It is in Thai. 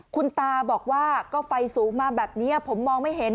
คุณตาบอกว่าก็ไฟสูงมาแบบนี้ผมมองไม่เห็น